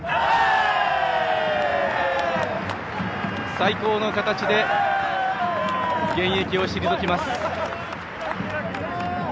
最高の形で現役を退きます。